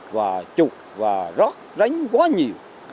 và trục và rớt ránh quá nhiều